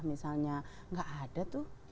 misalnya gak ada tuh